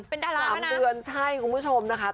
เป็นดารา๓เดือนใช่คุณผู้ชมนะคะ